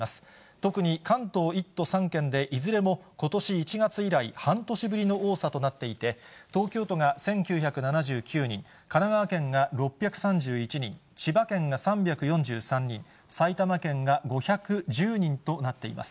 特に関東１都３県でいずれもことし１月以来、半年ぶりの多さとなっていて、東京都が１９７９人、神奈川県が６３１人、千葉県が３４３人、埼玉県が５１０人となっています。